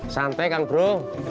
santai kan bro